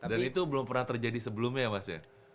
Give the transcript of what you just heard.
dan itu belum pernah terjadi sebelumnya ya mas ya